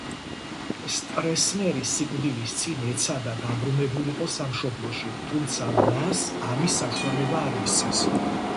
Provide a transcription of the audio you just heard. სტრესნერი სიკვდილის წინ ეცადა დაბრუნებულიყო სამშობლოში, თუმცა მას ამის საშუალება არ მისცეს.